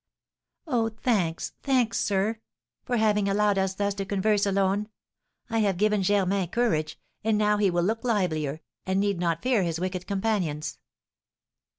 "Oh, thanks, thanks, sir, for having allowed us thus to converse alone! I have given Germain courage, and now he will look livelier, and need not fear his wicked companions."